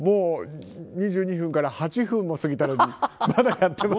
２２分から８分も過ぎたのに。